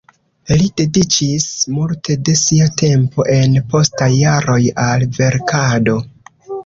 Li dediĉis multe de sia tempo en postaj jaroj al verkado.